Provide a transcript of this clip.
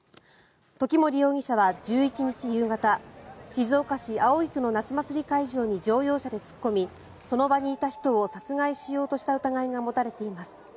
時森容疑者は１１日夕方静岡市葵区の夏祭り会場に乗用車で突っ込みその場にいた人を殺害しようとした疑いが持たれています。